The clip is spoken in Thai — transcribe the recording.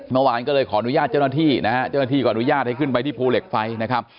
เมื่อวานก็เลยขออนุญาตเจ้าหน้าที่นะฮะเจ้าหน้าที่ก็อนุญาตให้ขึ้นไปที่ภูเหล็กไฟนะครับ